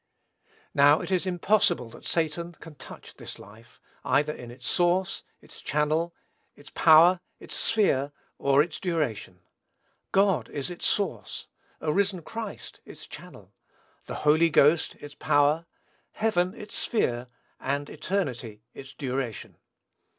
Now, it is impossible that Satan can touch this life, either in its source, its channel, its power, its sphere, or its duration. God is its source; a risen Christ, its channel; the Holy Ghost, its power; heaven, its sphere; and eternity, its duration.